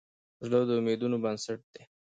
زړه د امیدونو بنسټ دی.